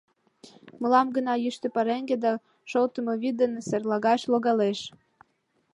— Мылам гына йӱштӧ пареҥге да шолтымо вӱд дене серлагаш логалеш.